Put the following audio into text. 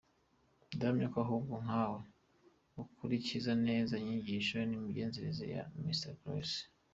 Ndahamya ko ahubwo nkawe ukurikiza neza inyigisho n’imigenzereze ya Myr Classe.